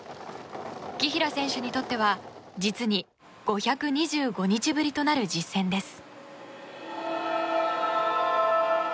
紀平選手にとっては実に５２５日ぶりとなる実戦です。